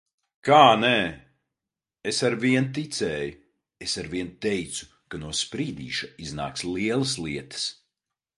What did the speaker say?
Kā nē? Es arvien ticēju! Es arvien teicu, ka no Sprīdīša iznāks lielas lietas.